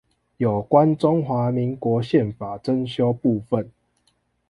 有關中華民國憲法增修部分